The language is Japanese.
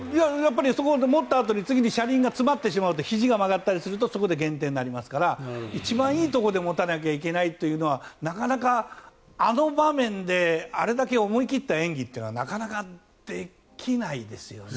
そこは持ったあとに車輪が詰まってしまうとひじが曲がったりすると減点になりますから一番いいところで持たなきゃいけないというのはなかなかあの場面であれだけ思い切った演技はできないですよね。